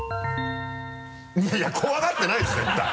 いやいや怖がってないでしょ絶対。